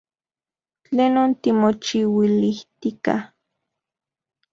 ¿Tlenon timochiuilijtika?